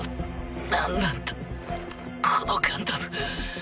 何なんだこのガンダム。